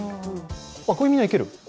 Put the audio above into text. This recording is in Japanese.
これ、みんないける？